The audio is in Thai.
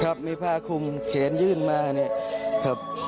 ครับมีผ้าคุมแขนยื่นมาเนี่ยครับ